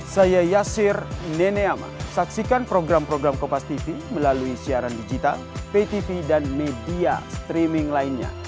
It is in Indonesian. saya yassir neneama saksikan program program kompastv melalui siaran digital ptv dan media streaming lainnya